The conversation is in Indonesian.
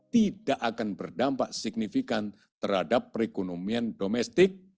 tidak akan berdampak signifikan terhadap perekonomian domestik